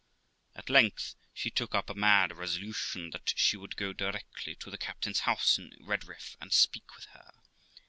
At length she took up a mad resolution that she would go directly to the captain's house in Redriff and speak with her.